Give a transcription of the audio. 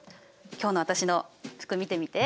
今日の私の服見てみて。